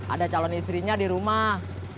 ada calon istrinya di rumah